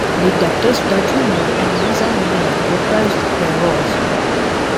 Lead actors Dudley Moore and Liza Minnelli reprised their roles.